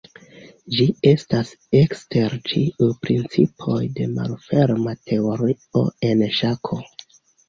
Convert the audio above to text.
Ĝi estas ekster ĉiuj principoj de malferma teorio en ŝako.